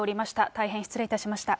大変失礼いたしました。